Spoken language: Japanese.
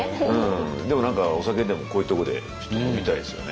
でも何かお酒でもこういうところで飲みたいですよね。